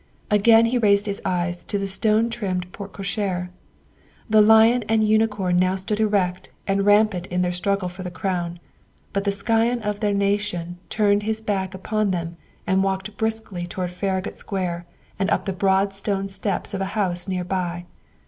Again he raised his eyes to the stone trimmed porte cochere. The lion and the unicorn now stood erect and rampant in their struggle for the crown, but the scion of their nation turned his back upon them and walked briskly towards Farragut Square and up the broad stone steps of a house near by.